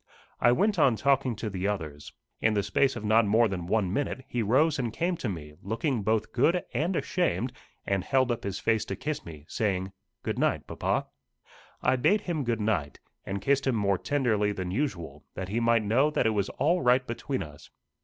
I went on talking to the others. In the space of not more than one minute, he rose and came to me, looking both good and ashamed, and held up his face to kiss me, saying, "Goodnight, papa." I bade him good night, and kissed him more tenderly than usual, that he might know that it was all right between us.